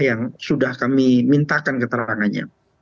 yang sudah kami mintakan keterangannya